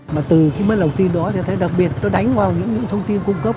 mà từ cái mất lòng tin đó thì thấy đặc biệt nó đánh vào những thông tin cung cấp